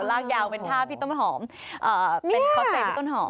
ลากยาวเป็นท่าพี่ต้นหอมเป็นคอสเตย์พี่ต้นหอม